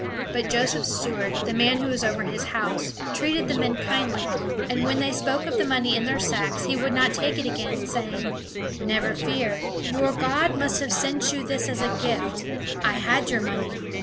But Joseph's steward, the man who was over his house, treated the men kindly; and when they spoke of the money in their sacks, he would not take it again, saying: "Never fear; your God must have sent you this as a gift. I had your money."